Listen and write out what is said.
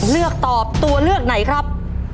เลือกตอบตัวเลือกไหนครับ